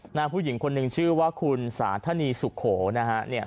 ผู้หญิงคนหนึ่งชื่อว่าคุณสาธนีสุโขนะฮะเนี่ย